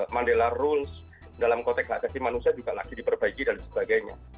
mandela rules dalam konteks hak asasi manusia juga lagi diperbaiki dan sebagainya